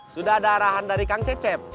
sudah ada arahan dari kang cecep